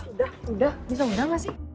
udah udah bisa udah gak sih